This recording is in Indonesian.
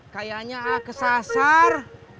kayaknya a kesasar